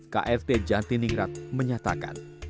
kft jantiningrat menyatakan